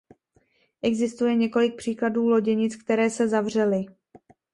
Existuje několik příkladů loděnic, které se zavřely.